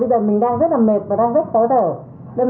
bây giờ mình đang rất là mệt và đang rất khó thở